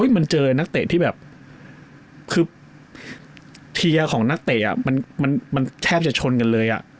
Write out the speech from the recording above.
มันเจอนักเตะที่แบบคือเทียร์ของนักเตะมันแทบจะชนกันเลย